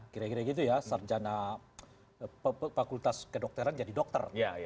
kira kira gitu ya sarjana fakultas kedokteran jadi dokter